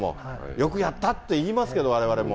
よくやったって言いますけど、われわれも。